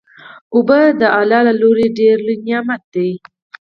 اوبه د الله له اړخه ډیر لوئ نعمت دی